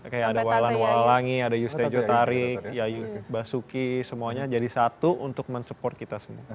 kayak ada wailan wailangi ada yustadzio tarik yaya basuki semuanya jadi satu untuk men support kita semua